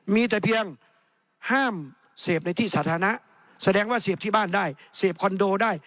มีแต่เพียงห้ามเสพในที่สาธารณะแสดงว่าเสพที่บ้านได้เสพคอนโดได้